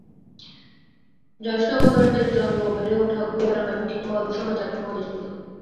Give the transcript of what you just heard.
জাসনাবোদার্দের জন্ম, বেড়ে ওঠা, ঘুরে বেড়ানো এবং থিতু হওয়া বিশ্বময় চারটি মহাদেশজুড়ে।